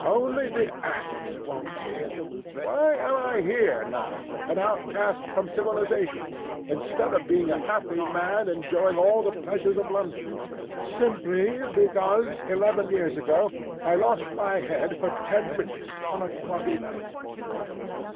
Only the asses won't see it! Why am I here now, an outcast from civilisation, instead of being a happy man enjoying all the pleasures of London? Simply because eleven years ago—I lost my head for ten minutes on a foggy night."